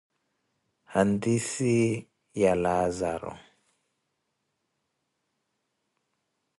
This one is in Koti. Hantise Ya Laazaro